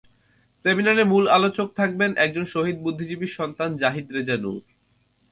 সেমিনারে মূল আলোচক থাকবেন একজন শহীদ বুদ্ধিজীবীর সন্তান জাহীদ রেজা নূর।